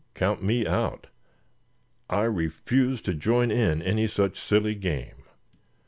Count me out. I refuse to join in any such silly game."